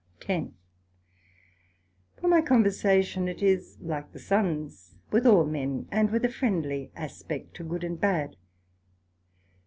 SECT.10 For my Conversation, it is like the Sun's with all men, and with a friendly aspect to good and bad.